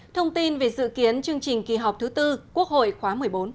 thông tin về dự kiến chương trình kỳ họp thứ tư quốc hội khóa một mươi bốn